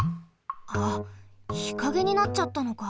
あっ日陰になっちゃったのか。